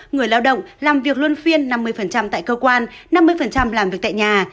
người lao động làm việc luân phiên năm mươi tại cơ quan năm mươi làm việc tại nhà